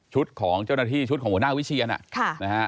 ชุดของเจ้าหน้าที่ชุดของหัวหน้าวิเชียร